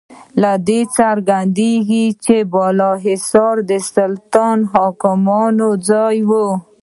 له دې څرګندیږي چې بالاحصار د سلطنتي حاکمانو ځای و.